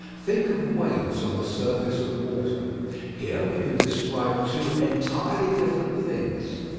Think of waves on the surface of water. Here we can describe two entirely different things.